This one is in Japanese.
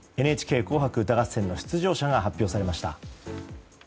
「ＮＨＫ紅白歌合戦」の出場者が発表されました。